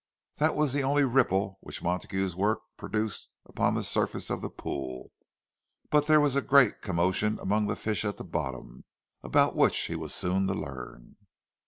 That was the only ripple which Montague's work produced upon the surface of the pool; but there was a great commotion among the fish at the bottom, about which he was soon to learn.